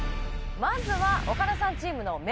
まずは岡田さんチームの。